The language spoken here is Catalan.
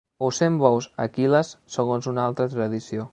O cent bous a Aquil·les, segons una altra tradició.